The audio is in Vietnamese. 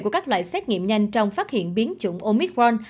của các loại xét nghiệm nhanh trong phát hiện biến chủng omicron